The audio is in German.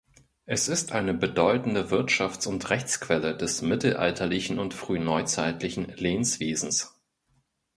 Es ist eine bedeutende Wirtschafts- und Rechtsquelle des mittelalterlichen und frühneuzeitlichen Lehnswesens.